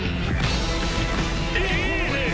いいねぇ！